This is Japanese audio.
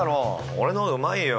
俺の方がうまいよ。